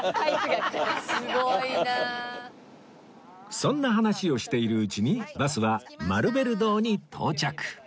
そんな話をしているうちにバスはマルベル堂に到着